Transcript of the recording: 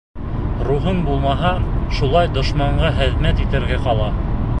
Рухың булмаһа, шулай дошманға хеҙмәт итергә ҡала.